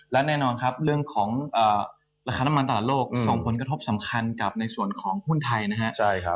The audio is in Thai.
และแน่นอนครับเรื่องของราคาน้ำมันตลาดโลกส่งผลกระทบสำคัญกับในส่วนของหุ้นไทยนะครับ